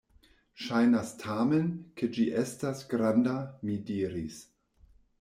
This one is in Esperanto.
Ŝajnas tamen, ke ĝi estas granda, mi diris.